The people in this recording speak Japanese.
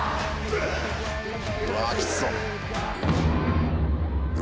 うわぁ、きつそう。